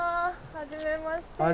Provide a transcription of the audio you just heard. はじめまして。